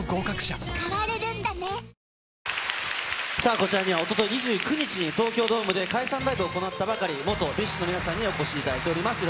こちらには、おととい２９日に東京ドームで解散ライブを行ったばかり、元ＢｉＳＨの皆さんにお越しいただいております。